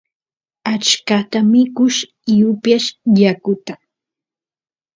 achkata mikush y upiyash yakuta